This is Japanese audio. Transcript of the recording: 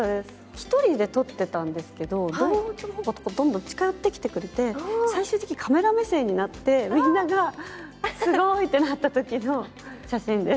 １人で撮ってたんですけど、動物がどんどん近寄ってきてくれて、最終的にカメラ目線になってみんながすごいってなったときの写真です。